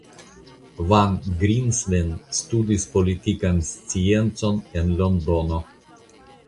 Van Grinsven studis politikan sciencon en Londono.